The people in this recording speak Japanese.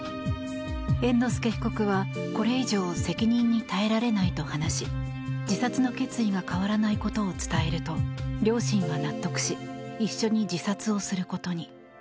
猿之助被告は、これ以上責任に耐えられないと話し自殺の決意が変わらないことを伝えると、両親は納得し一緒に自殺をすることに。